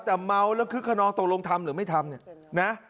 แต่เมาแล้วคึกขนองตกลงทำหรือไม่ทำเนี่ยนะ